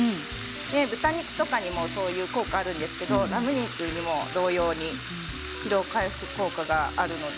豚肉とかにもそういう効果があるんですけどラム肉にも同様に疲労回復効果があるので。